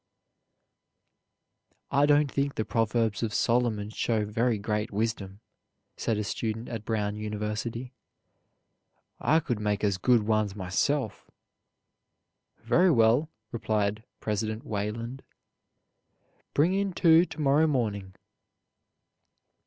"I don't think the Proverbs of Solomon show very great wisdom," said a student at Brown University; "I could make as good ones myself." "Very well," replied President Wayland, "bring in two to morrow morning."